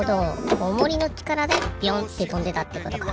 オモリのちからでビョンってとんでたってことか。